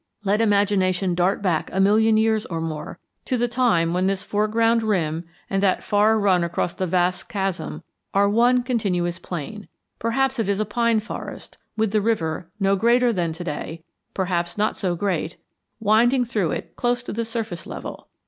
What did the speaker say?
Let imagination dart back a million years or more to the time when this foreground rim and that far run across the vast chasm are one continuous plain; perhaps it is a pine forest, with the river, no greater than to day, perhaps not so great, winding through it close to the surface level.